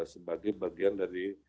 sebagai bagian dari